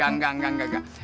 enggak enggak enggak